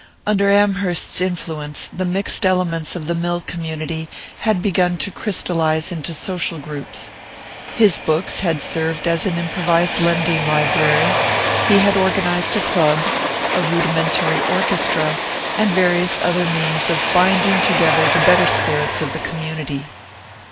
Under Amherst's influence the mixed elements of the mill community had begun to crystallize into social groups: his books had served as an improvised lending library, he had organized a club, a rudimentary orchestra, and various other means of binding together the better spirits of the community.